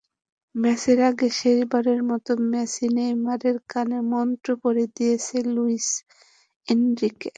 ম্যাচের আগে শেষবারের মতো মেসি-নেইমারদের কানে মন্ত্র পড়ে দিচ্ছেন লুইস এনরিকে।